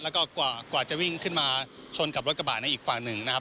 แล้วก็กว่าจะวิ่งขึ้นมาชนกับรถกระบะในอีกฝั่งหนึ่งนะครับ